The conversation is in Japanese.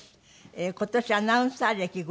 今年アナウンサー歴５０年。